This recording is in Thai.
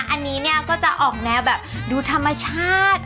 อันนี้เนี่ยก็จะออกแนวแบบดูธรรมชาติ